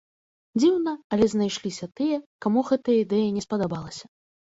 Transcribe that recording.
Дзіўна, але знайшліся тыя, каму гэтая ідэя не спадабалася.